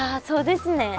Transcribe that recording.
そうですね。